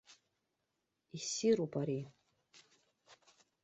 Иссируп ари.